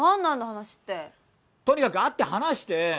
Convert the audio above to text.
話ってとにかく会って話して！